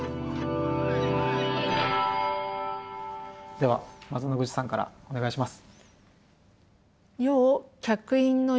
ではまず野口さんからお願いします。